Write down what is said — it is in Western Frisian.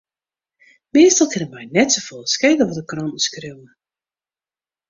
Meastal kin it my net safolle skele wat de kranten skriuwe.